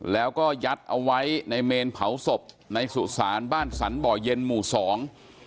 แล้วก็ยัดเอาไว้ในเมนเผาศพในสุสานบ้านสรรบ่อเย็นหมู่สอง